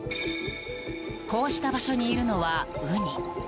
こうした場所にいるのは、ウニ。